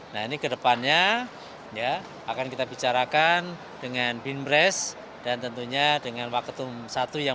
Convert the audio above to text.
nah ini kedepannya ya akan kita bicarakan dengan binres dan tentunya dengan waketum satu yang